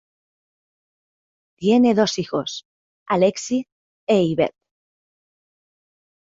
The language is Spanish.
Tiene dos hijos, Alexi e Yvette.